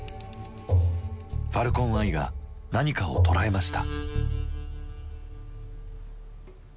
ファルコン・アイが何かを捉えました。